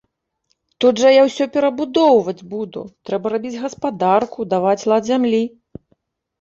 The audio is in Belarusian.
Тут жа я ўсё перабудоўваць буду, трэба рабіць гаспадарку, даваць лад зямлі.